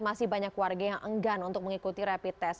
masih banyak warga yang enggan untuk mengikuti rapid test